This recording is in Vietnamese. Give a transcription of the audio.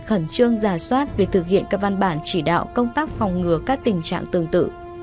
khẩn trương giả soát việc thực hiện các văn bản chỉ đạo công tác phòng ngừa các tình trạng tương tự